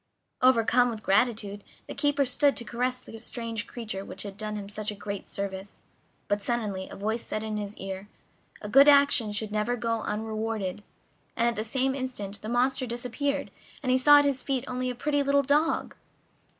Overcome with gratitude, the keeper stooped to caress the strange creature which had done him such a great service; but suddenly a voice said in his ear: "A good action should never go unrewarded," and at the same instant the monster disappeared, and he saw at his feet only a pretty little dog!